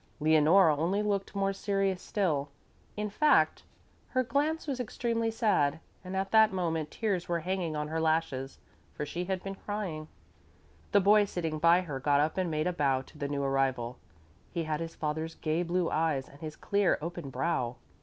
Leonore only looked more serious still; in fact, her glance was extremely sad and at that moment tears were hanging on her lashes, for she had been crying. The boy sitting by her got up and made a bow to the new arrival. He had his father's gay blue eyes and his clear, open brow.